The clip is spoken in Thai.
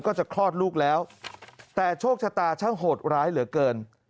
ก็จะคลอดลูกแล้วแต่โชคชะตาช่างโหดร้ายเหลือเกิน